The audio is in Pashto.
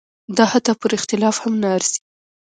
دا حتی پر اختلاف هم نه ارزي.